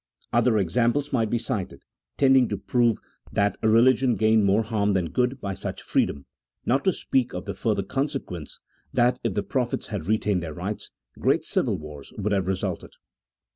Other examples might be cited, tending to prove that religion gained more harm than good by such freedom, not to speak of the further consequence, that if the prophets 240 A THEOLOGICO POLITICAL TREATISE. [CHAP. XVIII. had retained their rights, great civil wars would have resulted.